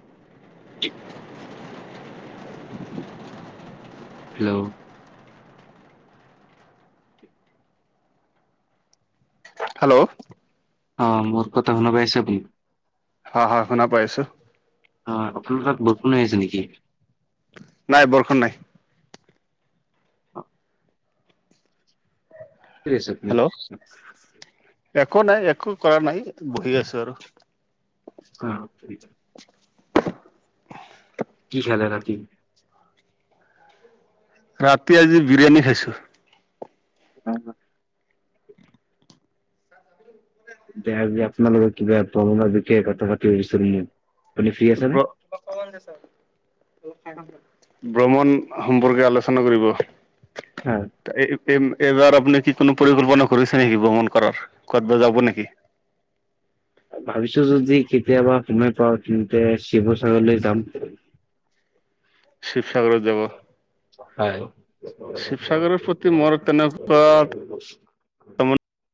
[unintelligible] Hello. Hello. অঁ মোৰ কথা শুনা পাইছে আপোনি? হয় হয়, শুনা পাই আছো। অ' আপোনালোৰ তাত বৰষুণ হৈ আছে নেকি। নাই বৰষুন নাই। অ'। [unintelligible] আপুনি হেল্ল' একো নাই একো কৰা নাই, বহি আছো আৰু। অহ' [unintelligible] কি খালে ৰাতি? [inaudible] ৰাতি আজি বিৰিয়ানী খাইছোঁ। নাই শুৱা। দেয়া আপোনালোকৰ কিবা প্ৰমলা বিষয়ে কথা পাতিব বিচাৰে নি ব্ৰ ব্ৰমণ সম্পৰ্কে আলোচনা কৰিব হয়। এই-এইবাৰ আপুনি কি কোনো পৰিকল্পনা কৰিছে নেকি ভ্ৰমণ কৰাৰ? ক'তবা যাব নেকি? ভাবিছো যদি কেতিয়াবা সময় পাও তেন্তে চিৱ-চাগৰলৈ যাম। ছিৱচাগৰত যাব? হয়। শিৱসাগৰৰ প্ৰতি মোৰ তেনেকুৱা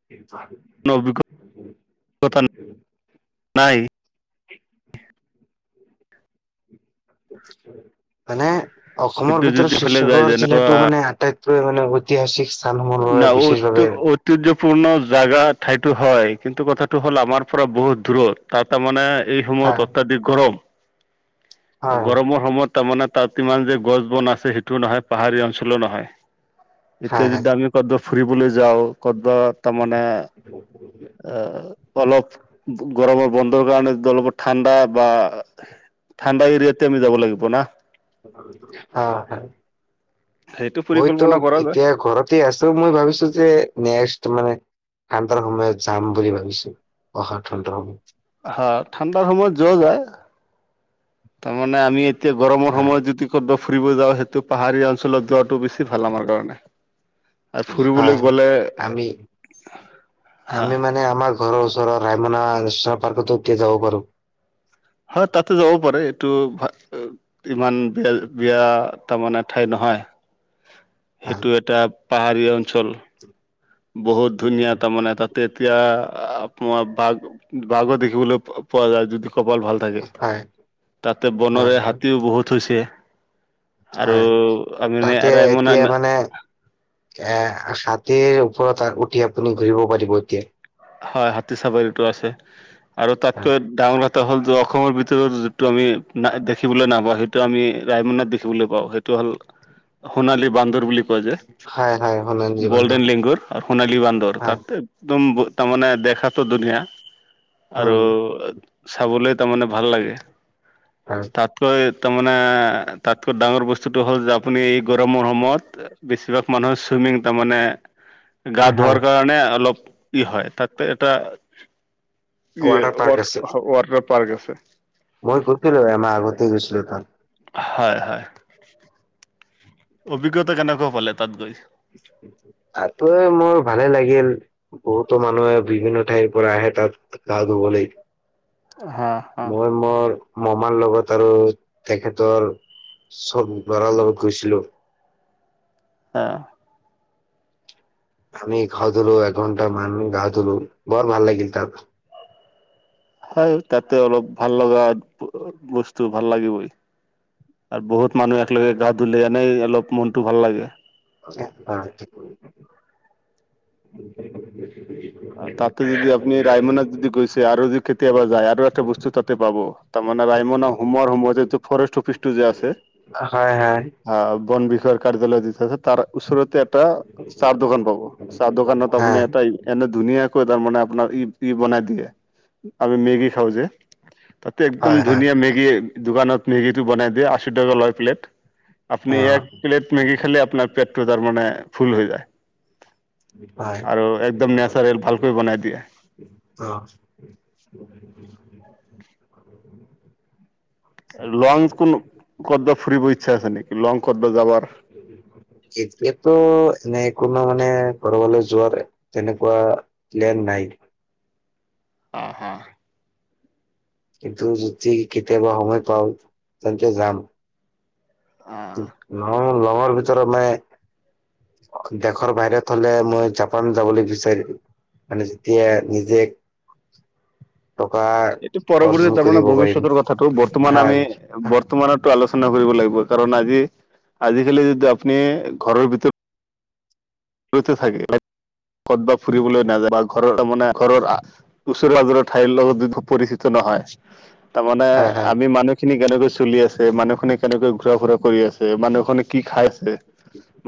[unintelligible] অভি'গ-গতা নাই মানে, কিন্তু অসমৰ যদি ভিতৰত ফালে যায় চিৱচাগৰ যেনে জিলাটো মানে আটাইত কৈ মানে ঐতিহাচিক স্থানসমূহললে বিশেষভাৱে ঐতিৰ্যপূৰ্ণ জাগা ঠাইটো হয় কিন্তু কথাটো হ'ল আমাৰ পৰা বহুত দূৰত তাত তাৰমানে এই সময়ত হয় অত্যাধিক গৰম, হয় গৰমৰ সময়ত তাৰ মানে তাত ইমান যে গছ-বন আছে সেইটো নহয় পাহাৰীয়া অঞ্চলো নহয়। হয় এতিয়া হয় যদ- সি কত'বা ফুৰিবলৈ যাওঁ কত'বা তা-মানে আহ, অলপ গৰমৰ বন্ধৰ কাৰণে দলপ ঠাণ্ডা বা ঠাণ্ডা এৰিয়াততে আমি যাব লাগিব না? হঁ হয়। সেইটো মইতো পৰিকল্পনা কৰা যায় এতিয়া ঘৰত তে আছো মই ভাবিছো যে নেক্সটো মানে ঠাণ্ডাৰ সময়ত যাম বুলি ভাবিছো, অহা ঠাণ্ডৰ সময়ত। হা, ঠাণ্ডাৰ সময়ত যোৱা যায়। তাৰমানে আমি এতিয়া গৰমৰ হয় সময়ত যদি কত'বা ফুৰিব যাওঁ সেইটো পাহাৰীয়া অঞ্চলত যোৱাটো বেছি ভাল আমাৰ কাৰণে। আৰু হয় ফুৰিবলৈ হয়। গ'লে, আমি হা নাই আমাৰ ঘৰৰ ওৰৰ ৰাইমনা নেৰ্চনল পাৰ্কতো এতিয়া যাব পাৰোঁ। হয় তাতো যাব পাৰে এইটো ভ ইমান বিয়া-বিয়া তাৰমানে ঠাই নহয়। হয় সেইটো এটা পাহাৰীয়া অঞ্চল। বহুত ধুনীয়া তামানে! তাতে এতিয়া আপোনাৰ বাঘ বাঘো দেখিবলে পোৱা যায় যদি কপাল ভাল তাকে। হয় তাতে হয় বনৰীয়া হয় হাতীও বহুত হৈছে। আৰু হয়, আমি তাতে ৰায়মনা এতিয়া মানে এ হাতীৰ ওপৰত উঠি আপুনি ঘূৰিব পাৰিব এতিয়া। হয় হাতী চাবলেটো আছে, আৰু তাতকে হয় ডাঙৰ ভা- ত হ'ল অসমৰ ভিতৰত যিটো আমি দেখিবলে নপাওঁ সেইটো আমি ৰায়মনাত দে- বলে পাওঁ সেইটো হ'ল- সোণালী বান্দৰ বুলি যে, হয় হয় সোণালী জীৱন্ত গ'ল্ডেন লেংগুৰ আৰু সোণালী বান্দৰ হয় তাত- একদম তা-মানে দেখাতো ধুনীয়া, আৰু উম চাবলে তামানে ভাল লাগে, হয় তাত- কৈ তামানে তাতকৈ ডাঙৰ বস্তুটো হ'ল যে আপুনি এই গৰমৰ সময়ত বেছিভাগ মানুহৰ চুইমিং তাৰমানে গা ধোৱাৰ হয় কাৰণে অলপ কি হয় তাতে এটা ই ৱাটাৰ পাৰ্ক ৱাট আছে ৱাটাৰ পাৰ্ক আছে। মই গৈছিলো এমাহ আগতে গৈছিলোঁ তাত হয় হয় অভিজ্ঞতা কেনেকুৱা পালে তাত গৈ তাতে মোৰ ভালে লাগিল বহুতো মানুহে বিভিন্ন ঠাইৰ পৰা আহে তাত গা ধূবলৈ হা হা মই মোৰ মামাৰ লগত আৰু তেখেতৰ চব বাৰাৰ লগত গৈছিলো অ আমি গা ধূলো এক ঘণ্টা মান গা ধূলো বৰ ভাল লাগিল তাত হয় তাতে অলপ ভাল লগা বস্তু ভাল লাগিবই। আৰু বহুত মানুহ একেলগে গা ধুলেই এনেই অলপ মনটো ভাল লাগে। [unintelligible] তাতে যদি আপুনি ৰায়মনত যদি গৈছে আৰু যদি কেতিয়াবা যায় আৰু এটা বস্তু তাতে পাব তাৰমানে ৰাইমন হোমৰ হোমৰ ফৰেষ্ট অফিচ টো যে আছে হয় হয় আহ বন বিষয়াৰ কাৰ্যালয় দি থৈছে তাৰ ওচৰতে। এটা চাহ দোকান পাব চাহ দোকানত আপুনি এটা এনে ধুনীয়াকৈ তাৰমানে আপোনাৰ ই-ই বনাই দিয়ে আমি মেগী খাও যে। তাতে একদম হয় হয় ধুনীয়া মেগী দোকানত মেগী টো বনাই দিয়ে আশী টকা লয় প্লেট। আপুনি অ এক প্লেট মেগি খালে আপোনাৰ পেটটো তাৰ মানে ফুল হৈ যায় হয় আৰু একদম নেচাৰেল ভালকে বনাই দিয়ে অ লং কোনো কৰবা ফুৰিব ইচ্ছা আছে নেকি লং কৰবা যাবৰ এতিয়াতো এনেই কোনো মানে কৰবাৰলৈ যোৱাৰ তেনেকুৱা প্লেন নাই অ, হ কিন্তু যদি কেতিয়াবা সময় পাওঁ তেন্তে যাম। আহ লং লঙৰ ভিতৰত মানে দেশৰ বাহিৰত হলে মই জাপান যাবলৈ বিচাৰিম মানে যেতিয়া নিজে টকা এইটো পৰৱৰ্তী অৰ্জন তাৰমানে কৰিব পাৰিম ভৱিষ্যতৰ কথাটো বৰ্তমান হা আমি বৰ্তমানতো আলোচনা কৰিব লাগিব কাৰণ আজি আজিকালি যদি আপুনি ঘৰৰ ভিতৰত থাকে ক'তবা ফুৰিবলে নাযায় বা ঘৰৰ মানে ঘৰৰ ওচৰ পাজৰ ঠাইৰ লগত যদি পৰিচিত নহয় তাৰমানে হয় আমি মানুহ খিনি কেনেকৈ চলি আছে মানুহখিনি কেনেকৈ ঘুৰা ফুৰা কৰি আছে মানুহখনে কি খাই আছে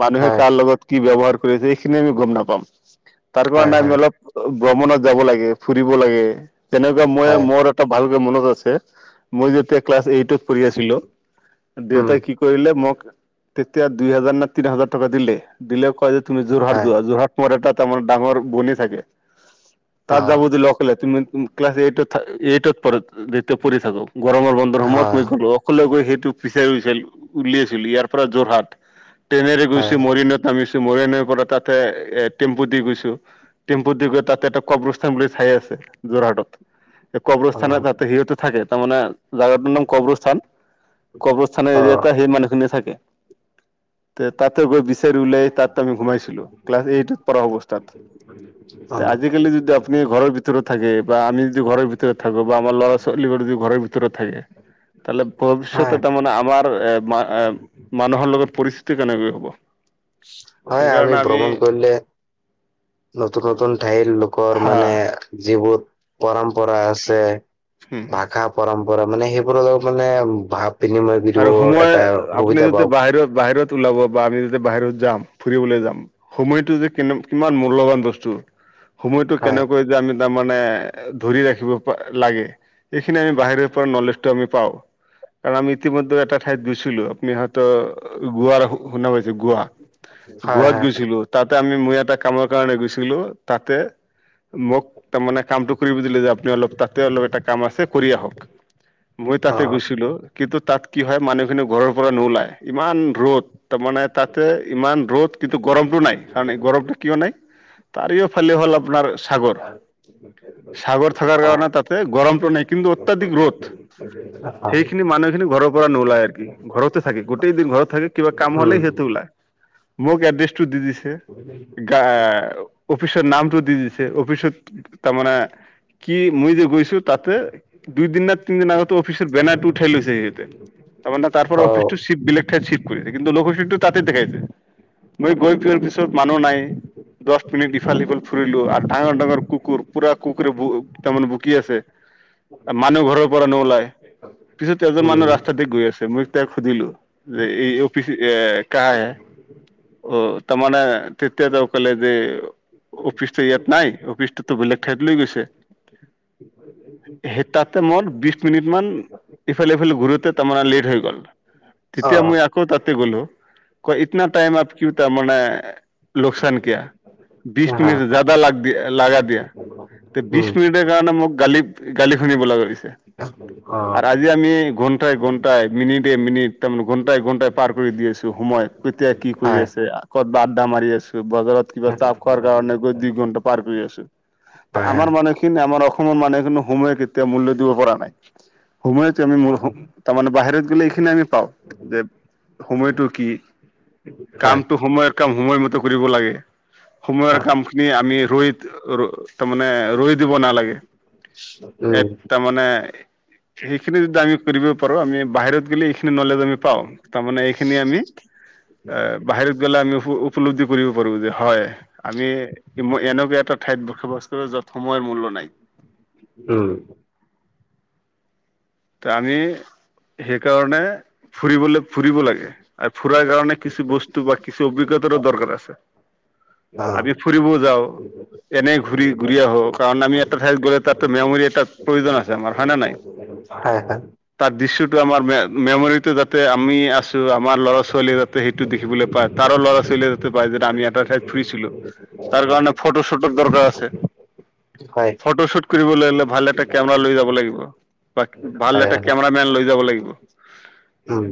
মানুহে হয় কাৰ লগত কি ব্যৱহাৰ কৰিছে এইখিনি আমি গম নাপাম তাৰ হয় হয় কাৰনে আমি হয় অলপ ভ্ৰমণত যাব লাগে ফুৰিব লাগে তেনেকুৱা মই হয় মোৰ। ত ভালকে মনত আছে মই যেতিয়া ক্লাছ এইটট পঢ়ি আছিলো উম দেউতাই কি কৰিলে মোক তেতিয়া দুই হাজাৰ নে তিনি হাজাৰ টকা দিলে দিলে কয় যে তুমি যোৰহাট হয় যোৱা যোৰহাট মম এটাত ত আমাৰ ডাঙৰ বনি থাকে অ তাত যাব য লগ হলে তুমি ক্লাছ এইটত, এইটত পয়া পঢ়ি থাকো গৰমৰ বন্ধৰ সময়ত হয় মই গলো। সকলে গৈ সেইটো পিছাৰ উাই উলিয়াইছিলো ইয়াৰ পৰা যোৰহাট ট্ৰেনেৰে গৈছো হয় মৰিনত ভাবিছোঁ ময়ে এনে ত পৰা তাতে এ টেম্পু দি গৈছো টেম্পু দি গৈ তাতে এটা কব্ৰস্থ্তান বুলি ঠাই আছে যোৰহাটত। এই অ কবৰস্থানত তাতে সিহঁতে থাকে তাৰমানে জাগাটোৰ নাম কবৰস্থান কবৰস্থানৰ অ এৰিয়াতে সি মানে শুনি থাকে। তে তাতে গৈ বিচাৰি উওলাই তাত আমি ঘোমাইছিলো, ক্লাছ এইটত পঢ়া অৱস্থাত। [inaudible] আজিকালি যদি আপুনি ঘৰ ভিতৰত থাকে বা আমি যদি ঘৰ ভিতৰত থাকো বা আমাৰ ল'ৰা ছোৱালী যদি ঘৰ ভিতৰত দুৰত থাকে তালে হয় ভৱিষ্যত এটা মানে আমাৰ এ এ মানুহৰ লগত পৰিস্থিতি কেনেকৈ হ'ব। প্ৰয়াই আমি ভ্ৰমণ কৰিলে নতুন নতুন ঠাইৰ লোকৰ হা মানে যিবোৰ পৰম্পৰা আছে হম ভাষা পৰম্পৰা মানে সেইবোৰ মানে ভ আৰু সোমোৱাই আপুনি যদি পাওঁ বাহিৰত বাহিৰত ওলাব বা আমি যদি বাহিৰত যাম ফুৰিবলৈ যাম সময়টো যে কিমান মূল্যবান বস্তু সময়টো হয় কেনেকৈ যে আমি তাৰমানানে ধৰি ৰাখিব লাগে এইখিনি আমি বাহিৰৰ পৰা নলেজটো আমি পাওঁ, কাৰণ আমি ইতিমধ্যে এটা ঠাইত গৈছিলো আপুনি হয়ত গোৱাৰ শুনা পাইছে গোৱা হয় গোৱাত হয় গৈছিলো তাতে আমি মই এটা কামৰ কাৰণে গৈছিলো তাতে মোক তাৰ মানে কামটো কৰিব দিলে যে আপুনি অলপ তা অলপ এটা কাম আছে কৰি আহক, মই তাতে গৈছিলো কিন্তু তাত কি হয় মান কিন্তু ঘৰৰ পৰা নোওলাই ইমান ৰ'দ। তাৰমানে তাতে ইমান ৰ'দ কিন্তু গৰমটো নাই। কাৰণ এই গৰমটো কিয় নাই তাৰেওফালে হ'ল আপোনাৰ চাগৰ অ চাগৰ থাকাৰ কাৰণে তাতে গৰমটো নাই, কিন্তু অত্যাধিক ৰ'দ। সেইখিনি মানুহখিনি ঘৰৰ পৰা নোলায় সিহঁতি ঘৰতে থাকে গোটেই দিন ঘৰত থাকে কিবা কাম হ'লে সিহঁতি ওলাই, মোক এড্ৰেছটো দি দিছে। গা অফিচৰ নামটো দি দিছে অফিচত তাৰ মানে কি মই যে গৈছো তাতে দুই দিন ন তিন দিন আগতে অফিচৰ বেনাৰ টো উঠাই লৈছে। তাৰ মানে তাৰ পৰা অফিচটো বিলেগ ঠাই চিপ কৰিছে কিন্তু লোকেচনতো তাতে দেখাইছে। মই গৈ পোৱাৰ পিছত মানুহ নাই। দহ মিনিট ইফাল সিফাল ফুৰিলো আৰু ডাঙৰ ডাঙৰ কুকুৰ পুৰা কুকুৰে তাৰমানে বুকি আছে। মানুহ ঘৰৰ পৰা নোওলাই পিছুত এজন মানুহ ৰাস্তা তাতে গৈ আছে মই তেওঁক সুধিলো যে এই অফিচ এ কাহ হে? অ তাৰ মানে তেতিয়া তেঁও কলে যে অফিচটো ইয়াত নাই অফিচটোতো বেলেগ ঠাইত লৈ গৈছে। সেই তাতে মই বিশ মিনিটমান ইফালেইফালে ঘূৰোতে তাৰমানে লেট হৈ গ'ল, তেতিয়া মই আকৌ তাতে গ'লো। কয় ইতনা টাইম আপ কিও তাৰমানে লোকচান কিয়া। বিছ মিনিট জাদা লাগ দিয়া লাগা দিয়া তে বিছ মিনিট সেইকাৰণে মোক গালি গালি শুনিব লাগা হৈছে। অহ। যে আজি আমি ঘণ্টাই ঘণ্টাই মিনিটে মিনিট তাৰমানে ঘণ্টাই ঘণ্টাই পাৰ কৰি দি আছোঁ সময়। কেতিয়া কি কৰি আছে, আ ক'তবা আড্ডা মাৰি আছো বজাৰত। কিবা চাহ খোৱাৰ কাৰণে গৈ দুই ঘন্টা পাৰ কৰি আছো, তে আমাৰ মানুহখিনি আমাৰ অসমৰ মানুহে সময়ক এতিয়াও মূল্য দিব পৰা নাই, সময়ত যে আমি মুৰ্খম তাৰমানে বাহিৰত গলে এইখিনি আমি - - পাও যে সময়টো কি কামটো সময়ত কাম সময়মতে কৰিব লাগে। সময়ৰ কামখিনি আমি ৰৈ তাৰমানে ৰৈ দিব নালাগে। এ' তাৰ মানে সেইখিনি যদি আমি কৰিব পাৰো আমি বাহিৰত গ'লে এইখিনি নলেজ আমি পাওঁ তাৰমানে এইখিনি আমি এ' বাহিৰত গলে আমি উফ উপলব্ধি কৰিব পাৰো যে হয়। আমি মই এনেকুৱা এটা ঠাইত বসবাস কৰো য'ত সময়ৰ মূল্য নাই। উম। ত' আমি সেইকাৰণে ফুৰিবলে ফুৰিব লাগে আৰু ফুৰাৰ কাৰণে কিছু বস্তু বা কিছু অভিজ্ঞতাৰো দৰকাৰ আছে। [inaudible] আমি ফুৰিবও যাওঁ এনেই ঘূৰি - ঘূৰি আহো কাৰণ আমি এটা ঠাইত গ'লে তাতে মেমৰী এটা প্ৰয়োজন আছে আমাৰ হয় নে নাই? হয় হয়। তাৰ দৃশ্যটো আমাৰ মে- মেমৰিটো যাতে আমি আছো আমাৰ ল'ৰা ছোৱালীয়ে যাতে সেইটো দেখিবলৈ পায়, তাৰো ল'ৰা ছোৱালীয়ে যাতে পায় যে আমি এটা ঠাইত ফুৰিছিলো। তাৰ কাৰণে ফটো - ছটোৰ দৰকাৰ আছে। ফটোশ্বুট কৰিবলৈ হ'লে ভাল এটা কেমেৰা লৈ যাব লাগিব। বা ভাল এটা কেমেৰামেন লৈ যাব লাগিব।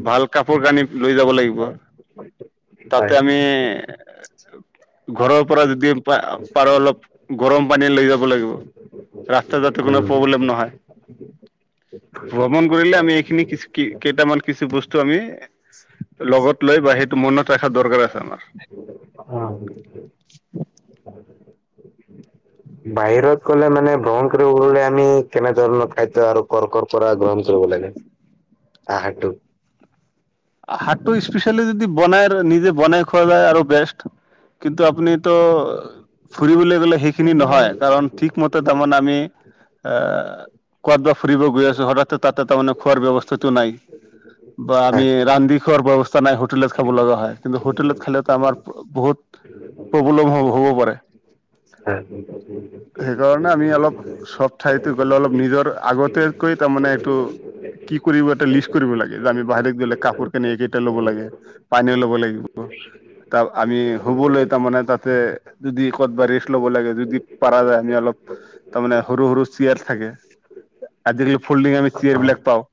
ভাল কাপোৰ কানি লৈ যাব লাগিব। তাতে আমি এ' ঘৰৰ পৰা যদি পা - পাৰো অলপ গৰম পানী লৈ যাব লাগিব। ৰাস্তাত যাতে কোনো প্ৰব্লেম নহয়। ভ্ৰমণ কৰিলে আমি এইখিনি কিছু কি কেইটামান কিছু বস্তু আমি লগত লৈ বা সেইটো মনত ৰখা দৰকাৰ আছে আমাৰ। বাহিৰত গলে মানে ভ্ৰমণ কৰিবলৈ গ'লে আমি কেনে ধৰণৰ খাদ্য আৰু কৰ - কৰ - - পৰা গ্ৰহণ কৰিব লাগে আহাৰটো আহাৰটো স্পেচেলি যদি বনাই আৰু নিজে বনাই খোৱা যায় আৰু বেষ্ট। কিন্তু আপুনিতো ফুৰিবলৈ গ'লে সেইখিনি হয় নহয়, কাৰণ ঠিক মতে তাৰমানে আমি এ' কত বা ফুৰিব গৈ আছো হঠাতে তাতে তাৰ মানে খোৱাৰ ব্যৱস্থাটো নাই। বা আমি ৰান্ধি খোৱাৰ ব্যৱস্থা নাই হোটেলত খাব লগা হয় কিন্তু হোটেলত খালেটো আমাৰ বহুত। প্ৰব্লেম হ'ব হ'ব পাৰে। [inaudible] অ [unintelligible] সেইকাৰণে আমি অলপ চব ঠাইতে গ'লে অলপ নিজৰ আগতে তাতকৈ তাৰমানে এইটো কি কৰিব এটা লিষ্ট কৰিব লাগে যে আমি বাহিৰত‌ গ'লে কা এইকেইটা ল'ব লাগে পানীয়ো ল'ব লাগিব। তাৰ আমি শুবলৈ তাৰমানে তাতে যদি ক'তবা ৰেষ্ট ল'ব লাগে যদি পাৰা যায় আমি অলপ তাৰমানে সৰু - সৰু চেয়াৰ থাকে আজিকালি ফল্ডিং আমি হয় অ চেয়াৰবিলাক পাওঁ।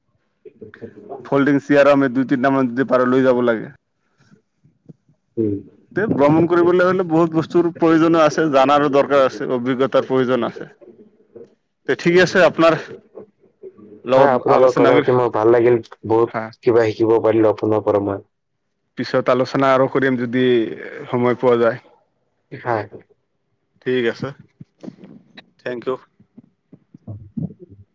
ফল্ডিং চিয়াৰ আমি দুই- তিনটামান যদি পাৰো লৈ যাব লাগে। উম। তে ভ্ৰমণ কৰিবলৈ হ'লে বহুত বস্তুৰ প্ৰয়োজনো আছে, জানাৰো দৰকাৰ আছে, অভিজ্ঞতাৰ প্ৰয়োজন আছে। তে ঠিক আছে আপোনাৰ [unintelligible] হয়, আপোনাৰ লগত আলোচনা কথা কৰি পাতি মই ভাল লাগিল, হা বহুত কিবা শিকিব পাৰিলো আপোনাৰ পৰা মই। পিছত আলোচনা আৰু কৰিম যদি সময় পোৱা যায়। [inaudible] ঠিক আছে, থেংক ইউ। [inaudible]